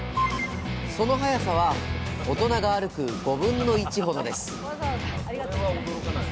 その速さは大人が歩く５分の１ほどです